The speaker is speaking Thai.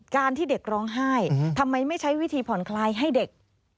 การที่เด็กร้องไห้ทำไมไม่ใช้วิธีผ่อนคลายให้เด็ก